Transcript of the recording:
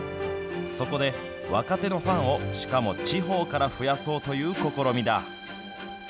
そこで、若手のファンを、しかも、地方から増やそうという試みだ。